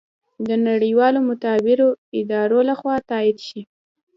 د نړیوالو معتبرو ادارو لخوا تائید شي